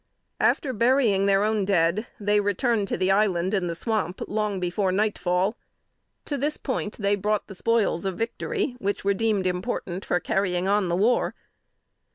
After burying their own dead, they returned to the island in the swamp long before nightfall. To this point, they brought the spoils of victory, which were deemed important for carrying on the war.